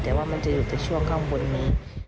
แต่ว่ามันจะอยู่แต่ช่วงข้างบนนี้